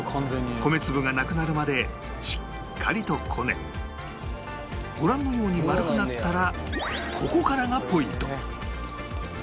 米粒がなくなるまでしっかりとこねご覧のように丸くなったらここからがポイント